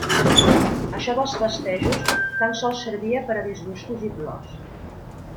Això dels festejos tan sols servia per a disgustos i plors.